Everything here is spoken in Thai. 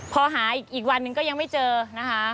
พอหาอีกวันหนึ่งก็ยังไม่เจอนะคะ